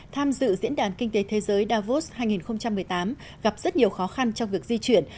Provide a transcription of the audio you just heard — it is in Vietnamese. tham dự diễn đàn kinh tế thế giới davos hai nghìn một mươi tám gặp rất nhiều khó khăn trong việc di chuyển